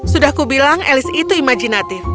sudah kubilang elis itu imajinatif